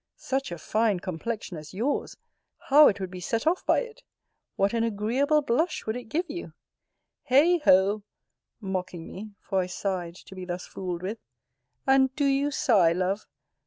Such a fine complexion as yours, how it would be set off by it! What an agreeable blush would it give you! Heigh ho! (mocking me, for I sighed to be thus fooled with,) and do you sigh, love?